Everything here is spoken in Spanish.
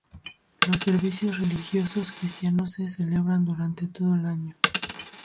Los servicios religiosos cristianos se celebran durante todo el año.